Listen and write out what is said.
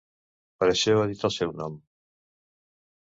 Per això ha dit el seu nom...